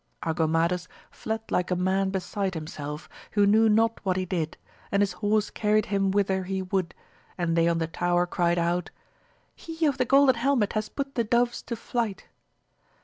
Argo mades fled like a man beside himself, who knew not what he did, and his horse carried him whither he would, and they on the tower cried out. He of the golden helmet has put the doves to flight